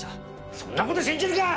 そんなこと信じるか！